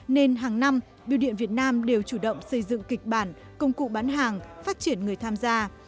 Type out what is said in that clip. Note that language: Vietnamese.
nên hàng năm biêu điện việt nam đều chủ động xây dựng kịch bản công cụ bán hàng phát triển người tham gia